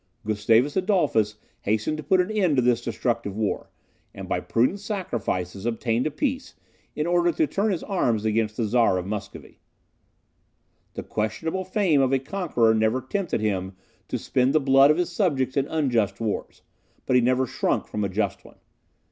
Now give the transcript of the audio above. Gustavus Adolphus hastened to put an end to this destructive war, and by prudent sacrifices obtained a peace, in order to turn his arms against the Czar of Muscovy. The questionable fame of a conqueror never tempted him to spend the blood of his subjects in unjust wars; but he never shrunk from a just one.